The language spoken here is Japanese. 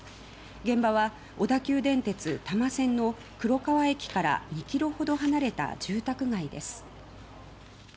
現場は小田急電鉄多摩線の黒川駅から２ｋｍほど離れた住宅街です。